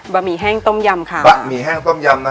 บะหมี่แห้งต้มยำค่ะ